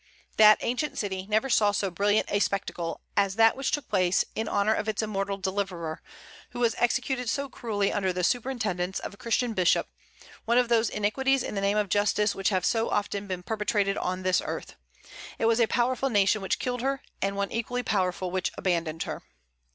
That ancient city never saw so brilliant a spectacle as that which took place in honor of its immortal deliverer, who was executed so cruelly under the superintendence of a Christian bishop, one of those iniquities in the name of justice which have so often been perpetrated on this earth. It was a powerful nation which killed her, and one equally powerful which abandoned her.